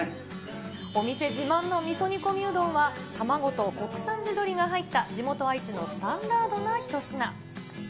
お店自慢のみそ煮込みうどんは、卵と国産地鶏が入った地元、愛知のスタンダードな一品。